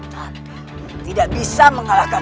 tapi tidak bisa mengalahkan